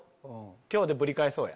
今日でぶり返そうや。